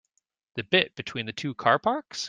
The bit between the two car parks?